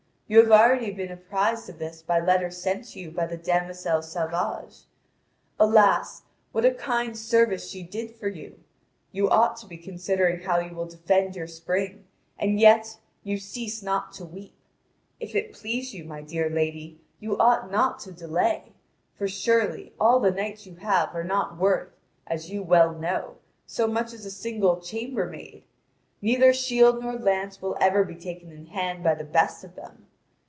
You have already been apprised of this by letters sent you by the Dameisele Sauvage. Alas, what a kind service she did for you! you ought to be considering how you will defend your spring, and yet you cease not to weep! If it please you, my dear lady, you ought not to delay. For surely, all the knights you have are not worth, as you well know, so much as a single chamber maid. Neither shield nor lance will ever be taken in hand by the best of them.